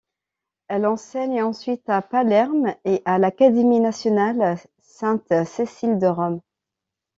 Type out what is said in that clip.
Elle enseigne ensuite à Palerme et à l'Académie nationale Sainte-Cécile de Rome.